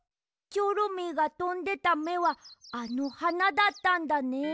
チョロミーがとんでためはあのはなだったんだね。